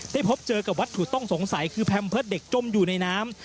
พบเจอกับวัตถุต้องสงสัยคือแพมเพิร์ตเด็กจมอยู่ในน้ำ